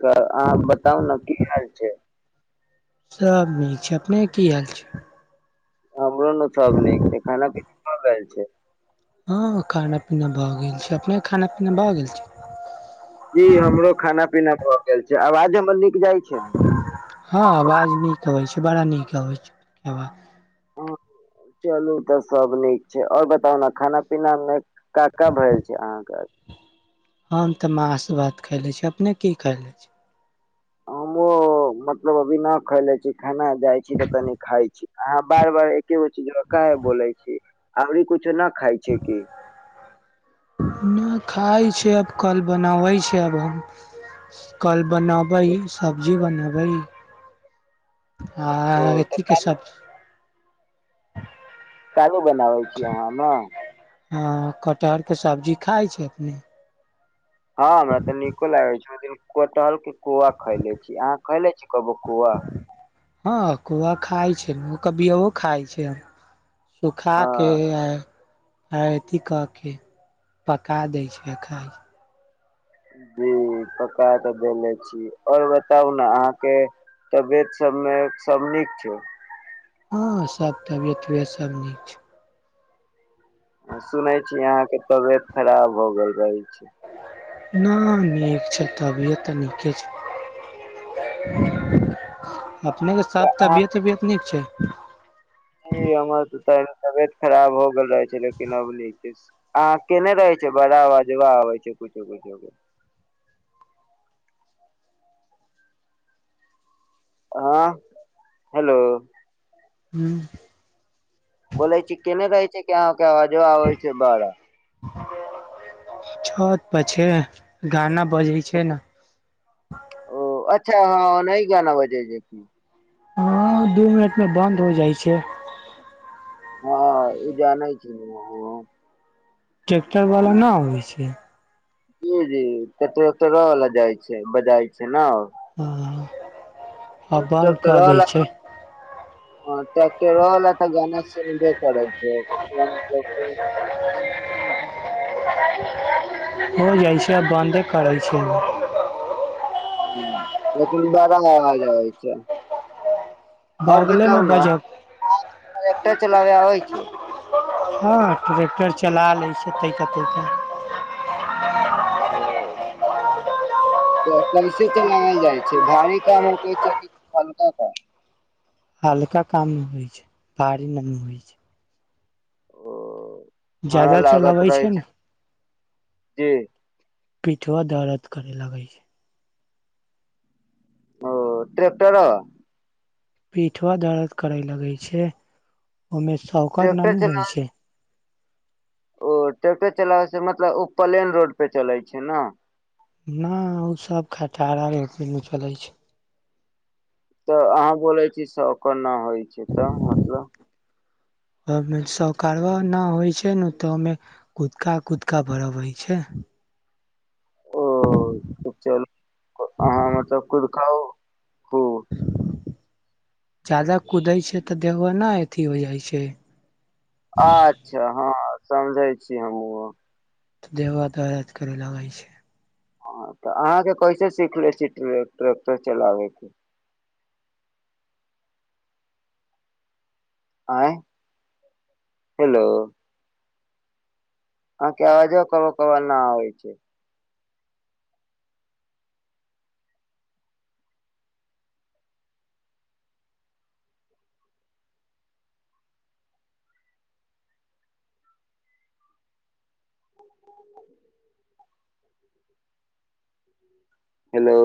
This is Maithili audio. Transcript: त अहाँ बताउ ना की हाल छैय। सब नीक छैय, अपनेक की हाल छैय। हमरो न सब नीक छै, खाना-पीना भ गेल छै। हँ खाना-पीना भऽ गेल छै, अपने खाना-पीना भऽ गेल छैय। जी हमरो खाना-पीना भऽ गेल छै, आवाज हमर निक जाय छैय न। हँ आवाज नीक अबै छैइ, बड़ा नीक अबै छै आवा। चलू तऽ सब नीक छैय, और बताउ ना खाना-पीना में। का-का भेल छैय अहाँके। हम तऽ मांस-भात खैले छी, अपने की खेलै छी। हमो मतलब अभी न खेलै छी, खेनाइ जाइ छी तऽ तनी खाइ छी। अहाँ बार-बार एकेगो चीज कहे बोले छी, अभी कुछो न खाय छी की। न खाइ छैय, आब कल बनाबै छैय आब हम। कल बनाबै, सब्जी बनाबै। आ ओ तऽ अथीके कालू सब्। काइलो बनाबै छी अहाँ हमरा। हँ, कटहरके सब्जी खाइ छी अपने। हँ हमरा तऽ निको लागै छै, ओय दिन। कटहल के कोआ खैले छी, अहाँ खेलै छी कब्बो कोआ। हँ कोआ खाय छैइ, क बियो खाय छी हम। सुखा हँ कऽ ए। अथी कऽ के, पका दैय छै खाइ छै। जी पका तऽ देने छी, आओर बताउ ने अहाँके। तबियत सब में सब नीक छै। हँ, सब तबियत-उबियत सब नीक छै। सुनै छी अहाँके तबियत खराब भऽ गेल रहै छै। ना नीक छै तबियत तऽ नीके छै। अपनेके तऽ सब अहाँ तबियत-उबियत नीक छै। जी हमर त तबियत खराब हो गेल रहे छै, लेकिन अब निक छै। आ के नहि रहै छै बड़ा बजबा आबै छै कुछो-कुछो के। हँ हेलो। हूं। बोलै छी केने रहै छै की, अहाँके अबजबा आबै छै बड़ा। छौत पर छी, गाना बजै। छै ने ओ अच्छा हँ ओन्हि गाना बजे छै की। हँ, दू मिनट में बन्द हो जाइ छै। हँ ई जानै छी ने हँ। ट्रैेक्टरवला ना अबै छै। जी-जी ट्रेक्टरों वाला जाए छै, बजाइ छै ना। हँ, आ बन्द कऽ दै छै। हँ, टेक्टरों वाला तऽ गाना सुनबे करै छै। [inaudible] हो जाइ छै, आब बन्दे करै छै ओ। हूं, लेकिन बड़ा आवाज आबै छै। आओर बगले बताउ मे ना, बजब र चलाबे आबै छै। हँ ट्रैेक्टर चला लैय छै, तैयके-तैयके। ह। तऽ कैसे त लगल जाइ छै, भारी काम होकै छै कि हल्का काम। हल्का काम में होइ छै, भारी न होइ छै। ओ हमरा ज्यादा लागत चलबै रहै ने छै, जी। पिठवा दर्द करे लगै छै। ओ ट्रैक्टर। पिठवा दर्द करे लगे छै, ओयमे शौकर न ट्रैक्टर नू चला होइ छै। ओ ट्रैक्टर चलाबै से मतलब, ओ प्लेन रोड पे चले छै ने। न ओ सब खटारा रोड पे नइ चलै छै। तऽ अहाँ बोलै छी शौकर न होइ छै, तऽ मतलब। ओ शौकरवा न होइ छै ने, तऽ ओहिमें कुदका-कुदका भरबै छै। ओ त चल, अहाँ मतलब कुदकाओ खूब। जादा कुदै छै तऽ देहो ने अथी हो जाइ छै। अच्छा हँ, समझै छी हमहुँओ। देहवा दरद करे लगै छै। ह तऽ अहाँके कैसे सीख ले छी, ट्रेक्टर चलाबे के। आँय हेलो। अहाँक अवाजवा कबो-कबो ना आबै छै। [inaudible] [unintelligible] हेलो।